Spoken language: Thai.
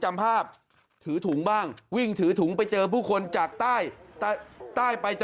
จำภาพถือถุงบ้างวิ่งถือถุงไปเจอผู้คนจากใต้ใต้ไปจะ